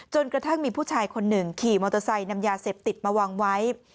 กระทั่งมีผู้ชายคนหนึ่งขี่มอเตอร์ไซค์นำยาเสพติดมาวางไว้